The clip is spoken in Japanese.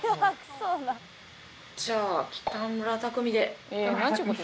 じゃあ北村匠海で。